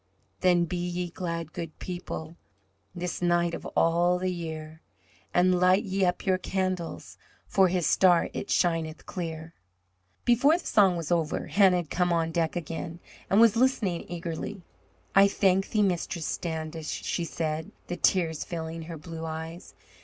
Then be ye glad, good people, This night of all the year, And light ye up your candles, For His star it shineth clear. Before the song was over, Hannah had come on deck again, and was listening eagerly. "I thank thee, Mistress Standish," she said, the tears filling her blue eyes.